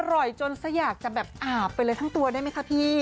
อร่อยจนสักอยากจะแบบอาบไปเลยทั้งตัวได้ไหมคะพี่